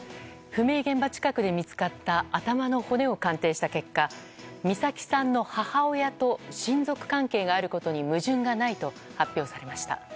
不明現場近くで見つかった頭の骨を鑑定した結果美咲さんの母親と親族関係があることに矛盾がないと発表されました。